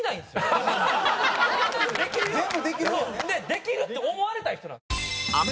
できるって思われたい人。